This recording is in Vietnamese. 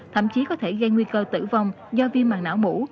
thậm chí có thể gây nguy cơ tử vong do viêm màng não mũ